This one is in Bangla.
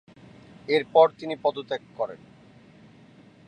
এরপর তিনি পদত্যাগ করেন।